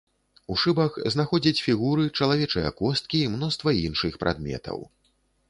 У шыбах знаходзяць фігуры, чалавечыя косткі і мноства іншых прадметаў.